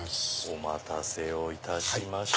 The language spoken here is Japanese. お待たせをいたしました。